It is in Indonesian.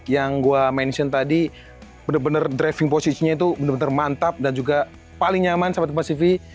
yang gua mention tadi benar benar driving position nya itu benar benar mantap dan juga paling nyaman sobatkempatsivi